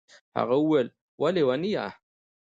هغه وويل وه ليونيه.